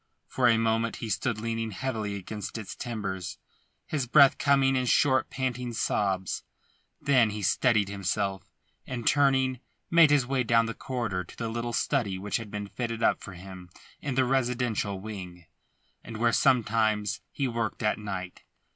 For a moment he stood leaning heavily against its timbers, his breath coming in short panting sobs. Then he steadied himself and turning, made his way down the corridor to the little study which had been fitted up for him in the residential wing, and where sometimes he worked at night.